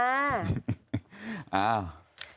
อ้าว